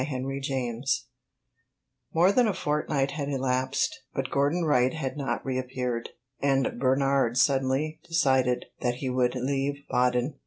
CHAPTER XIII More than a fortnight had elapsed, but Gordon Wright had not re appeared, and Bernard suddenly decided that he would leave Baden.